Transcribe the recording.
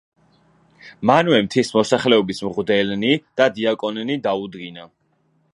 მანვე მთის მოსახლეობის მღვდელნი და დიაკონნი დაუდგინა.